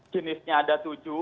jenisnya ada tujuh